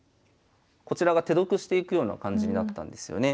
こちらが手得していくような感じになったんですよね。